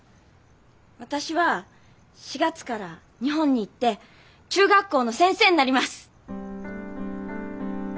私は４月から日本に行って中学校の先生になります！